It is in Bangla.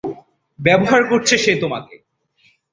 ব্যবহার করছে সে তোমাকে।